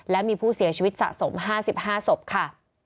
และมีผู้เสียชีวิตสะสม๕๕ศพค่ะ